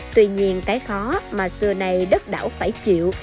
tuy nhiên cái khó mà xưa nay đất đảo phải chịu